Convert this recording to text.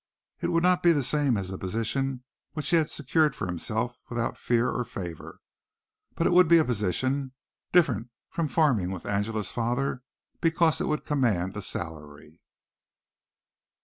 It would not be the same as a position which he had secured for himself without fear or favor, but it would be a position, different from farming with Angela's father because it would command a salary.